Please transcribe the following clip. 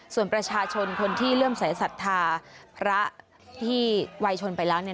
ส่วนประชาชนคนที่เริ่มสายศรัทธาพระที่วัยชนไปแล้วเนี่ย